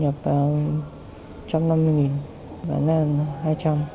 nhập vào một trăm năm mươi bán ra là hai trăm linh